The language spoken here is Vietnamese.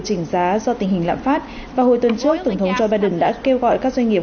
chỉnh giá do tình hình lạm phát và hồi tuần trước tổng thống joe biden đã kêu gọi các doanh nghiệp